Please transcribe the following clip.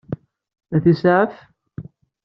Ad t-isaɛef?